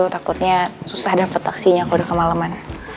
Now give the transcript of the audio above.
takutnya susah dapet taksinya kalau udah ke malaman